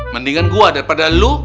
mendingan gue daripada lu